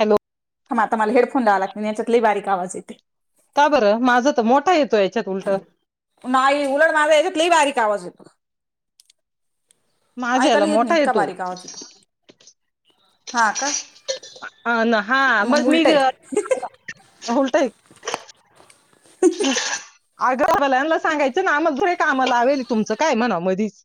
Hello ह म आता मला हेडोन द्यावा लाग नाही याच्यातलाही बारीक आज ये का बरं माझं तर मोठा येतो याच्यात उलट नाही उलड माझा याच्यातलाही बारीक आवाज येतो माझ्या याला ऐकायला येत नाही मोठा इतका येतो बारीक आावाज य तो हा का अ ना हा मग मी उलट आहे. उलटय हम आग्रवाल्यांना सांगायचं ना आम्हाला जरे कामाला लावेल तुमचं काय म्हणा मधीच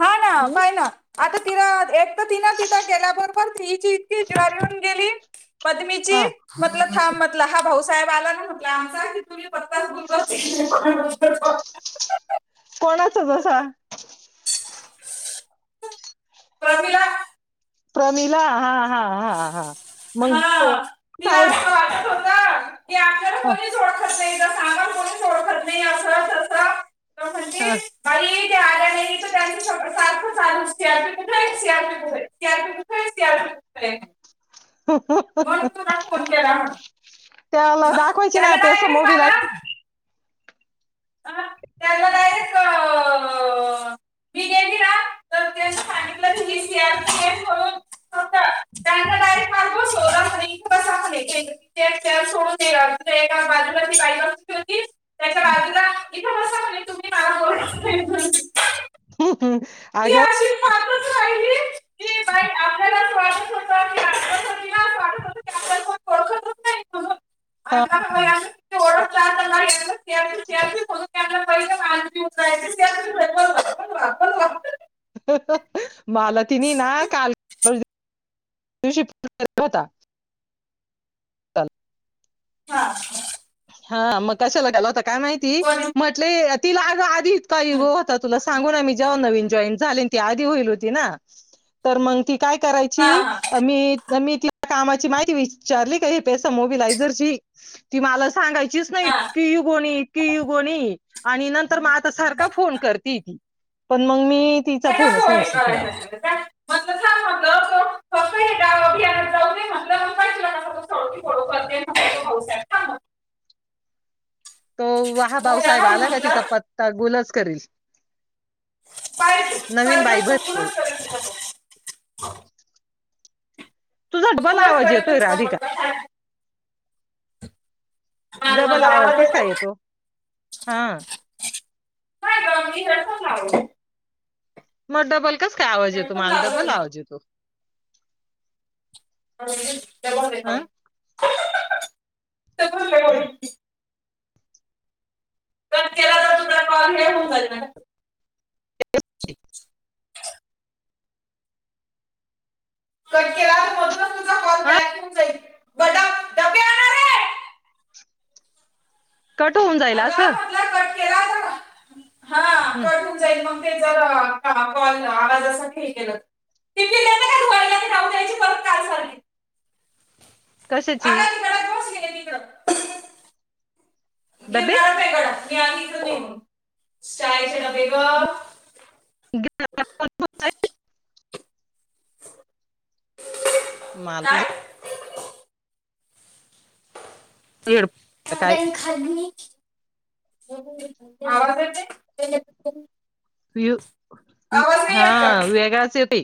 हा ना काय ना आता तिरा एक तर तिन तिथं गेल्याबरोबर हिची इतकी जर येऊन गेली पद्मीची हा मतल म्हटलं हा भाऊसाहेब आला ना म्हटला आमचा पत्ताोल कोणाच जसां [inaudible] कळला प्रमिला हा हा हा हा मग हा तिला साहे असं वाटत होत की आपल्याला कोणीच ओळखत नाही तर सामा कोणीच ओळखत नाही असंसं हा आल्या नाही तर त्यांनी सारखं झालस सी आरपी कुठे आहे सी आरपी कुठ सी आरपी कुठे आहेच सी आरपी ह ह दोन त फोन केला म्हून त्याला दाखवायची ना आपसं मोबल आहे मला अ त्याना डायरेक्ट मी गेली का कस हम् त्या सोडून एका बाजूलाची बाय होती हम् इथे बसा तुम्ही मला बोले हम हम हम हम आग पाहतच राहिली की बाई आपल्यालाच वाटत होतं की आपल्याला तिलाच वाटत होतं की आपल्याला कोण ओळखतच म्हणून. आणि हा का बाई असं किती ढां नाही हो पहि मा जायण मला तिने ना काल तशी पवता तल हा हा हा मग कशाला गाल होता काय माहिती कोणी? म्हटले तिला आज आधीच हम्म. हो तुला सांगी जेव्हा नवीन जॉन झा आधी होईल होती ना मग त काय करायची हा, हा, मीी कामाची माहिती विचारली का हे पस मोबिलायझरची ती मला सांगायची नाही हा. की गोणी की गोणी आणि नंतर म आता सारखा फोन करते ती पण मग मी तिचा काय का फोनच नाही पोहे उसित म्हणून करायचं काय? म्हटलं थांब म्हटलं तो फक्त हे गाव अभियानात जाऊ दे म्हटलं मग काय तुला कसं कसं सोडती फोडो करते म्हटलं तो भाऊसाहेब थांब म्हटलं. तो वहा उद्या भाऊसाहेब आला काय ती म्हटलं चपात कर पाहिजे नन बाब ह तुझा डबल उद आवाज येतोय कळलच का राधिका होत हा डबल ब आवाज कस काय येतो येत हा काय गगी नसा नाव मग डबल कस काय आवाज येतो हेडफोन माल लावलो डबल आवाज ना येतो ण तेव ते ह रेकॉर्डिंग कट केला तर तुला कॉल घ होऊन जाल हा कट केला तरधच तुझ हा डबे आणा रे कठ होऊन जाईल असं ट केला हा हम्म कट जाईल मग ते जर कॉल आवाजासाठी केलं टिफिन द्यायचं का धुवायला की राहू द्यायची परत काल सारखी कशाची अगं तिकडं पोहोचली आहे तिकडं डबे [unintelligible] शाळेचे डबे गं [unintelligible] मला तुझं काय हेड काय आवाज येतंय वु वि हा येत का वेगळाच हाय ते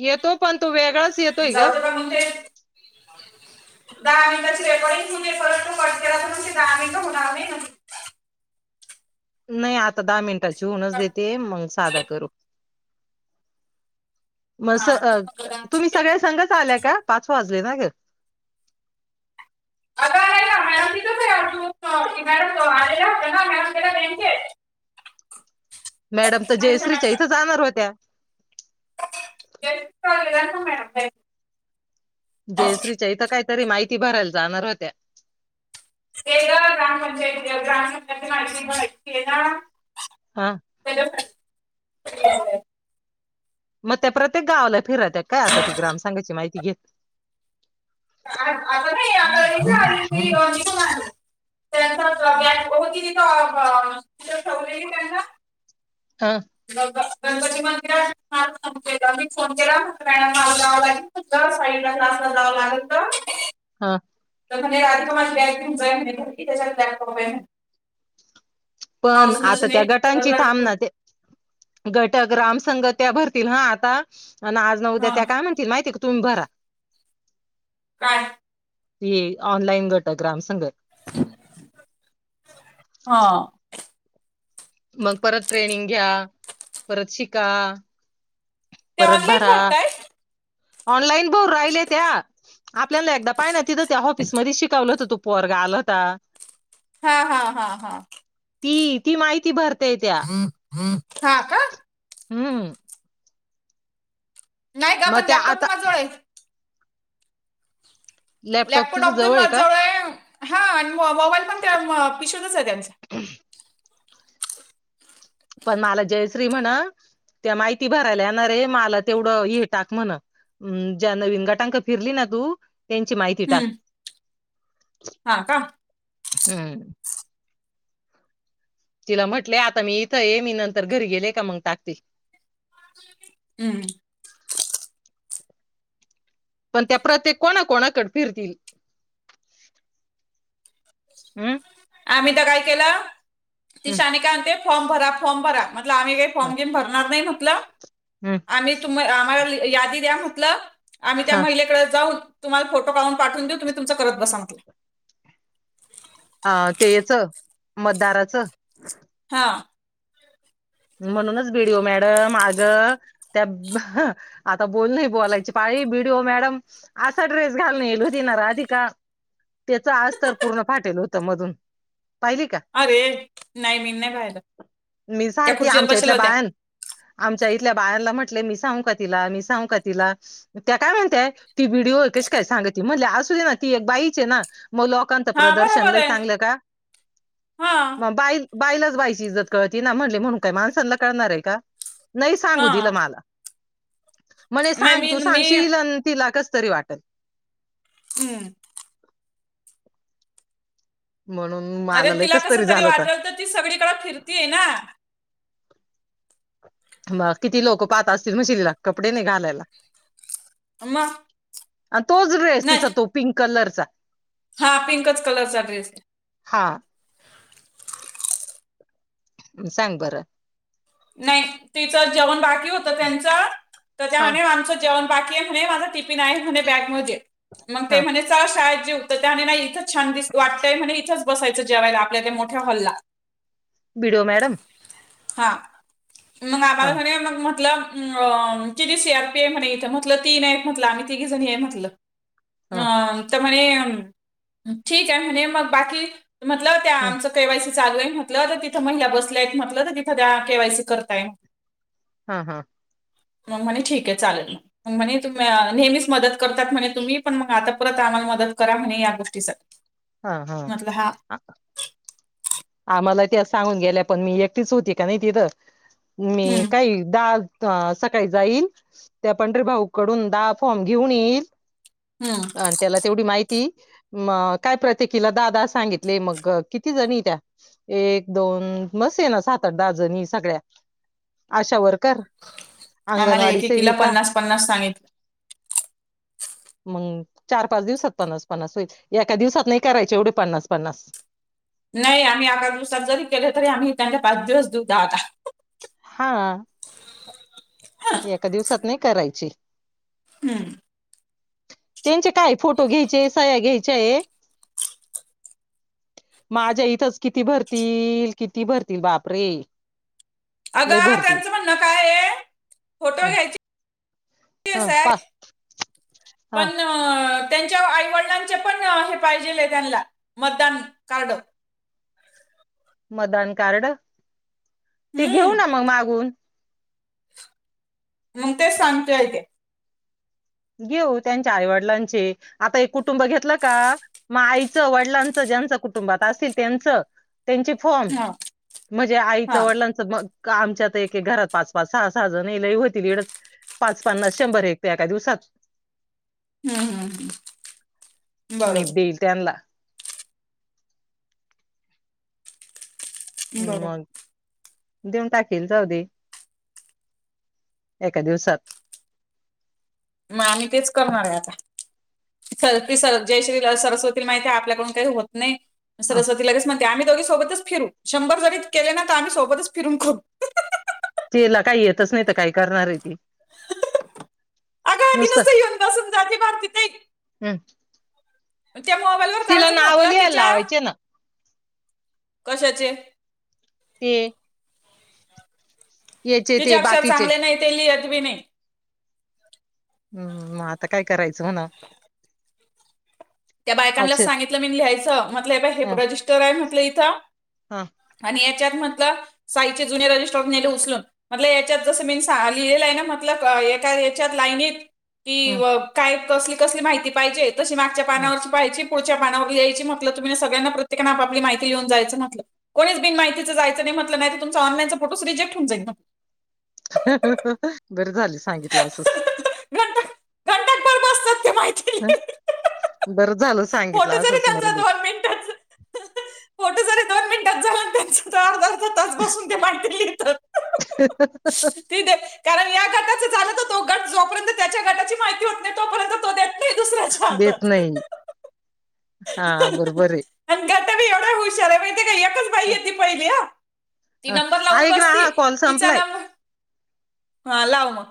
येतो पण तो वेगळाच येतोय ग [unintelligible] [unintelligible] दहा मिनिटाची रेकॉर्डिंग होऊ दे परत मग कट केला तर मग दहा मिनिटे होणार नाही नाही आता दहा मिनिटाची होऊनच देते मग साधा करू मग स हा. तुम्ही सगळ्या संगच आल्याय का पाच वाजले ना ग [unintelligible] [unintelligible] [unintelligible] मॅडम तर मनीषा जयसरीच्या मॅडम इथं जाणार होत्या स्ले ना मॅडम जयश्रीच्या इथं कायतरी माहिती भरायला जाणार होत्या ते ग ग्रामपंचायती ग्रामपंचायती माझी माहिती आहे ना हा ह मग त्या प्रत्येक गावाला फिरात्या काय आता ती ग्रामसांघाची माहिती घेत आता नाही [unintelligible] त्यांचा गॅ होतीथ ठेवलेली त्यांना हा गणपती मंदिरात फोन केला मी फोन केला [unintelligible] तर साइडला तासला जावं लागेल तर हा तर म्हणे राधिका माझी बॅग घेऊन जाय म्हणे त्याच्यात लॅपटॉप आहे पण पाऊस आता त्या नसणे तर गटांची थांब लटकून ना ते घटक राम संघ त्या भरतील हा आता आज न उद्या हा त्या काय म्हणात ती माहिती का तुम्ही भरा काय ते ऑनलाईन घटक रामसंघ हा मग परत ट्रेनिंग घ्या परत शिका ते परत ऑनलाईन भरा भरताय ऑनलाईन भरू राहिले त्या आपल्याला एकदा पाय ना तिथं त्या ऑफिसमध्ये शिकवलं होत तू पोरगा आला होता हा हा हा हा ती ती माहिती भरतय त्या [unintelligible] हा का हुं नाही का मग पण त्या लॅपटॉप तर आता माझजवळ आहे लॅपटॉप लॅपटॉट तुझ्या ऑप द आहे का जवळ आहे हा आणि मोबाईल पण त्या पिशवितच आहे त्यांच [unintelligible] पण मला जयश्री म्हण त्या माहिती भरायला येणार हाय मला तेवढं हे टाक म्हण हुं ज्या नवीन गटांक फिरली ना तू त्यांची माहिती ती टाक हम्म हा का हू तिला म्हटलेय आता मी इथं ये मी नंतर घरी गेले का मग टाकते. हुं पण त्या प्रत्येक कोणा कोणाकडं फिरतील हम् आम्ही तर काय केलं हम्म तिशने काय आणते फॉर्म भरा फॉर्म भरा म्हट आम्ही काही फॉर्म घेऊन भरणार नाही म्हटलं आम्ही आम्हाला यादी द्या म्हटलं आम्ही त्या महिलेकडे जाऊन तुमला फो काून पाठून देऊ तम् तम करत बसांगला अ तेच मतदाराचं हा म्हणूनच भिडओ मॅडम मागं त्या आता बोल नाही बोलायची पाळी बीडओ मॅडम असा ड्रेस घालणे येल हो देणार आधी का त्याच आज तर पूर्ण फाटेल होतं मधून पाहिली का अरे नाही मी नाही खायला मी त्या ख सारखी आमच्या इथल्या बायां आमच्या इथल्या बायांला म्हटले मी सांगू का तिला, मी सांगू का तिला? त्या काय म्हणतय ती व्हिडिओवर कशी काय सांगत म्हणले असू दे ना ती एक बाईचे ना मग ल लोकांत हा प्रदर्शन बरोबर ल आहे चांगलं का हा मग बाईल बायलाच बायची इज्जत कळती ना म्हणले म्हणून काय माणसांना कळणार आहे का नाही सांगू हा दिलं मला म्हणे नाही सांग मी तू मी सांगशीलल तिला कस तरी वाटेल हम्म म्हणून अरे मला लय तिला कस कसं तरी झालं वाटल तर ती सगळीकडे फिरतीये ना म किती लोक पाहत असतील मशीिलीला कपडे नाही घालायला मग आणि तोच रस नाही तिचा तो पिंक कलरचा हा पिंकच कलर चा ड्रेस आहे हा सांग बरं नाही तिचं जेवण बाकी होत त्यांच तर त्या हा आमचं जेवण बाकी आहे म्हणे माझा टिफिन आहे म्हणे बॅग मध्ये मग ते हा म्हणे च शाळेत जे त्याने नाही इथंच छान दि वाटतय म्हणे इथंच बसायचं जेवायला आपल्या त्या मोठ्या हॉल्ला बिडो मॅडम हा मग हा आम्हाला मग म्हटलं अ जिथे सी आरपीएफ म्ह इथं म्हटलं तीन म्हटलं आम्ही तिघी जणी आहे म्हटलं हा अं तर म्हणे ठीक आहे म्हणे मग बाकी म्हटलं त्या हम्म आमचं केवायसी चालू आहे म्हटलं तर तिथं महिला बसल्या आहेत म्हटलं तर तिथं त्या केवायसी करताय हा हा मग म्हणे ठीक आहे चालेल मग म्हणे तुम् नेहमीच मदत करतात म्हणे तुम्ही पण मग आता परत आम्हाला मदत करा म्हणे या गोष्टीसाठी हा हा आम्हाला त्या सांगून गेल्या पण मी एकटीच होती का नाही तिथं मी हम्म काही द सकाळी जाईल त्या पंढरी भाऊकडून द फॉर्म घेऊन येईल हम्म आणि त्याला तेवढी माहिती म काय प्रत्येकीला दादा सांगितले मग किती जणी त्या एक दोन मसे ना सात आठ दहा जणी सगळ्या आशा वकर आम्हाला एककीला पन्नास पन्नास सांगित [unintelligible] मग चार पाच दिवसात पन्नास पन्नास होईल एका दिवसात नाही करायचे एवढे पन्नास पन्नास नाही आम्ही आका दिवसात जरी केले तरी आम्ही त्यांना पाच दिवस देऊ द आता हा [inaudible] एका दिवसात नाही करायची हम्म त्यांचे काय फोटो घ्यायचे सह्या घ्यायच्या आहे माझ्या इथच किती भरतील किती भरतील बापरे लय अगं भरतील त्यांचं म्हणणं काय आहे फोटो हं, घ्यायचे हं, पा प अ हा त्यांच्या आईवडिलांचे पण हे पाहिजे त्यांना मतदान कारण मदान कार्ड ते घेऊ हम्म ना मग मागून मग ते सांगतेय ते घेऊ त्यांच्या आईवडिलांचे आता एक कुटुंब घेतलं का मग आईचं वडिलांचं ज्यांचं कुटुंबात असल त्यांचं त्यांची फॉर्म हा म्हणजे हा आईच्या वडलां मग आमच्या आ एक एक घरात पाच पाच सहा सहा जण ये होती वेडच पाच पन्नास शंभर एकते एका दिवसात हम्म हम् ह ी बे इतेयला ह बरोबर मग देऊन टाकेल जाौ दे एका दिवसात मग आ तेच करणार आहे आता सर ती स जय श्री सरस्वती माहिती आहे आपल्याकडून काही होत नाही सरस्वती लगेच म्हणते आम्ही दोघी सोबतच फिरून शंभर जरी केले ना तर आम्ही सोबतच फिरून करू तला काही येतच नाही तर काही करणार आहे ती नुसतं ऊन बसून जातेतीिथ हम्म त्या मोबाईल वर करायचं नावं म्हटलं लिहायला तिच्या लावायचे ना कशाचे ते याचे तिचे ते अक्षर बाकीचे चांगले नाही ते लिहत बी नाही हम् मग आता काय करायचं म्हणा त्या बायकांना अक्षर सांगितलं मी लिहायचं म्हटलं बा हे ह रजिस्टर आहे म्हटलं इथं हा आणि याच्यात म्हटलं साईचे जुने रजिस्टॉ नेले उचलून म्हटल याच्यात जसं मी लिहिलेलं आहे ना मतल एका याच्यात लाईनीत कि हम्म काय कसली कसली माहिती पाहिजे तशी मागच्या हम् पानावरची पाहायची पुढच्या पानावर याची म्हटलं तुम्ही सगळ्यांना प्रत्येकान आपली माहिती येऊन जायचं म्हटलं कोणीच बि माहितीचं जायं नाही म्हटलं नाही तुमचा ऑनलानचा फोस रिजेक्टऊन जाईल बरं झाले सांगितलं असच घंटा घंटाभर बसतात ते माहिती ह लिहित. बरं झाल सांगितलं असच मरद मिनटच फोटो जरी दोन मिनिटात झाला त्या त अर्ध अर्धा तास बसून ते माांटली त दे कारण या गटाच झालं तर तो गट जोपर्यंत त्याच्या गटाची माहिती होत नाही तोपर्यंत तो द दुसऱ्याच्या देत हकत नाही हा बरोबर आहे अंधी एवढा हुशार आहे ते घ त पहि ती नंबर लावून ऐक ना बसती हा कॉल तिचा संपलाय नं हाला आ म